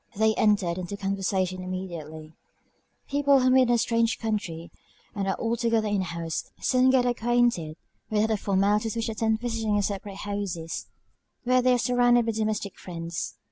They entered into conversation immediately. People who meet in a strange country, and are all together in a house, soon get acquainted, without the formalities which attend visiting in separate houses, where they are surrounded by domestic friends.